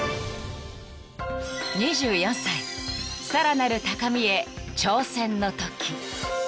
［２４歳さらなる高みへ挑戦のとき］